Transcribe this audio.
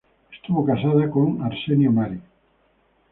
Estuvo casada con Arsenio Mary.